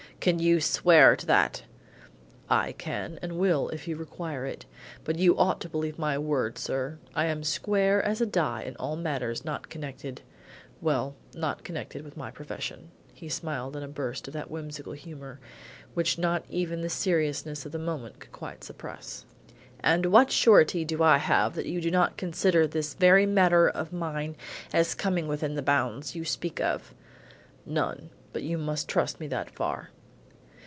"Can you swear to that?" "I can and will, if you require it. But you ought to believe my word, sir. I am square as a die in all matters not connected well, not connected with my profession," he smiled in a burst of that whimsical humour, which not even the seriousness of the moment could quite suppress. "And what surety have I that you do not consider this very matter of mine as coming within the bounds you speak of?" "None. But you must trust me that far."